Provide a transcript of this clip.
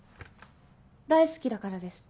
大好きだからです。